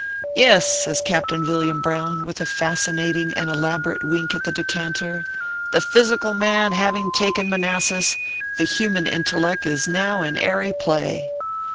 " Yes !" says Captain Villiam Brown, with a fas cinating and elaborate wink at the decanter, "the physical man having taken Manassas, the human in telleck is now in airy play.